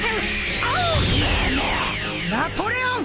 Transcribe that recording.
ナポレオン！